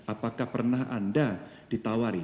apakah pernah anda ditawari